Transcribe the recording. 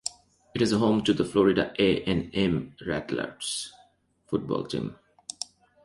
It is home to the Florida A and M Rattlers football team.